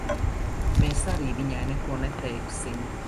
Mēs arī viņai neko neteiksim.